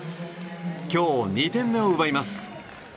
今日２点目を奪います。